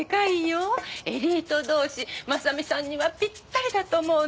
エリート同士真実さんにはぴったりだと思うの。